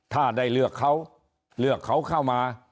ถ้าได้เลือกเขาเลือกเขาเข้ามา